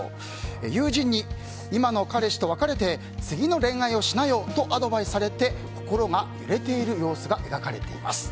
友人に今の彼氏と別れて次の恋愛をしなよとアドバイスされて心が揺れている様子が描かれています。